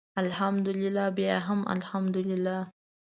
الحمدلله بیا هم الحمدلله.